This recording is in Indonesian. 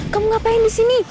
kamu ngapain disini